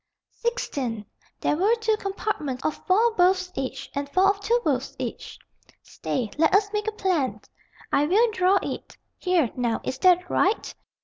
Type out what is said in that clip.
"Sixteen. There were two compartments of four berths each, and four of two berths each." "Stay, let us make a plan. I will draw it. Here, now, is that right?"